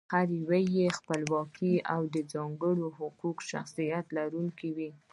هر یو یې خپلواک او د ځانګړي حقوقي شخصیت لرونکی وي.